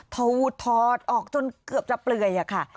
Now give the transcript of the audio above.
ถูถอดออกจนเกือบจะเปลือยอะค่ะ